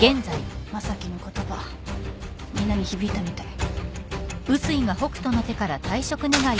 正樹の言葉みんなに響いたみたい。